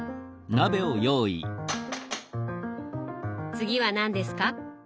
次は何ですか？